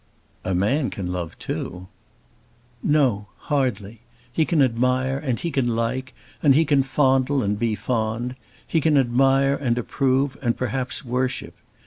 "A man can love too." "No; hardly. He can admire, and he can like, and he can fondle and be fond. He can admire, and approve, and perhaps worship.